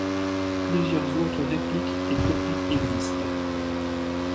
Plusieurs autres répliques et copies existent.